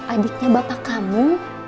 adiknya bapak kamu